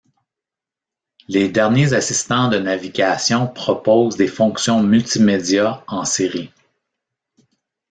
Les derniers assistants de navigation proposent des fonctions multimédias en série.